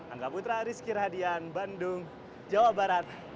angga putra rizky rahadian bandung jawa barat